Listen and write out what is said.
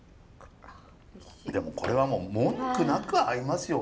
でもこれは文句なく合いますよ。